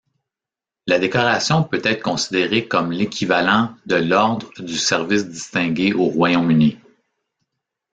La décoration peut être considérée comme l'équivalent de l'ordre du Service distingué au Royaume-Uni.